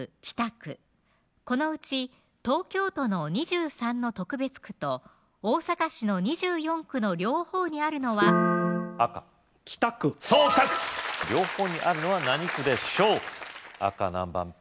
このうち東京都の２３の特別区と大阪市の２４区の両方にあるのは赤北区そう北区両方にあるのは何区でしょう赤何番？